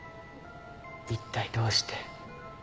一体どうして。